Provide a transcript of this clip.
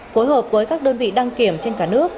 phối hợp với các đơn vị đăng kiểm trên cả nước